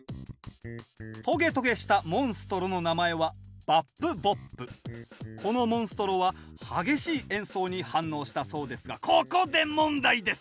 トゲトゲしたモンストロの名前はこのモンストロは激しい演奏に反応したそうですがここで問題です！